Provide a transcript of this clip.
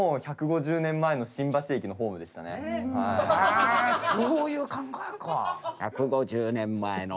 あそういう考えか。